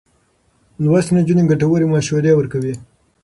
لوستې نجونې ګټورې مشورې ورکوي.